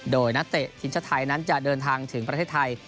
โดยนักเตะทีมชาติไทยนั้นจะเดินทางถึงประเทศไทย